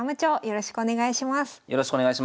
よろしくお願いします。